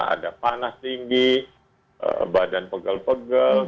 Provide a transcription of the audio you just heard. ada panas tinggi badan pegel pegel kepala sakit